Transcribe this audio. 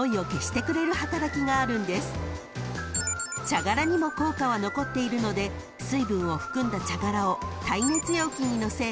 ［茶殻にも効果は残っているので水分を含んだ茶殻を耐熱容器に載せ］